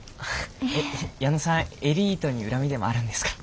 矢野さんエリートに恨みでもあるんですか？